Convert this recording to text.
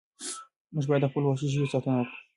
موږ باید د خپلو وحشي ژویو ساتنه وکړو.